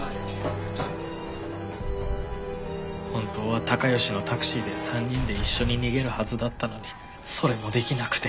本当は孝良のタクシーで３人で一緒に逃げるはずだったのにそれもできなくて。